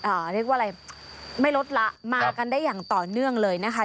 เรียกว่าอะไรไม่ลดละมากันได้อย่างต่อเนื่องเลยนะคะ